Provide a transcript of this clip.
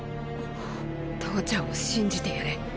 父ちゃんを信じてやれ。